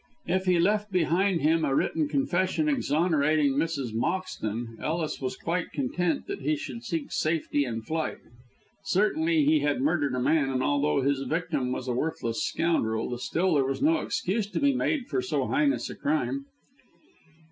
If he left behind him a written confession exonerating Mrs. Moxton, Ellis was quite content that he should seek safety in flight. Certainly he had murdered a man, and although his victim was a worthless scoundrel, still there was no excuse to be made for so heinous a crime.